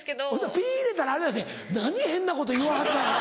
ピ入れたらあれやで何変なこと言わはったんやろう？